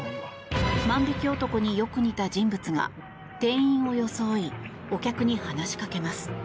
万引き男によく似た人物が店員を装いお客に話しかけます。